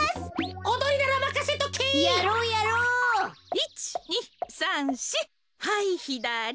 １２３４はいひだり。